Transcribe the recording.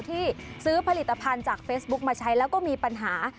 ที่ซื้อผลิตภัณฑ์จากเฟซบุ๊คมาใช้แล้วก็มีปัญหา